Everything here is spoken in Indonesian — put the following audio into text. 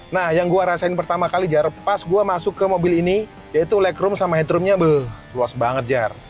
nah yang gue rasain pertama kali jar pas gue masuk ke mobil ini yaitu legroom sama headroomnya luas banget jar